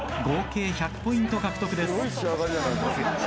合計１００ポイント獲得です。